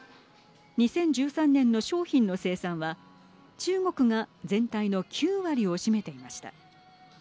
２０１３年の商品の生産は中国が全体の９割を占めていました。